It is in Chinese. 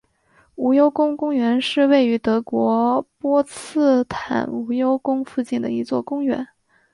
无忧宫公园是位于德国波茨坦无忧宫附近的一座公园。